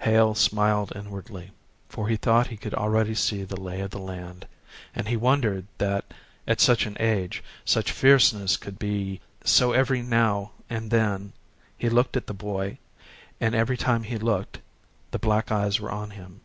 Hale smiled inwardly, for he thought he could already see the lay of the land, and he wondered that, at such an age, such fierceness could be: so every now and then he looked at the boy, and every time he looked, the black eyes were on him.